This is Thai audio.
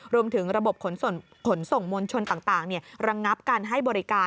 รวมถึงระบบขนส่งมวลชนต่างระงับการให้บริการ